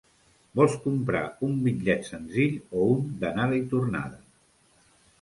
Vols comprar un bitllet senzill o un d'anada i tornada?